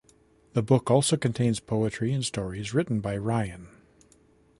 The book also contains poetry and stories written by Ryan.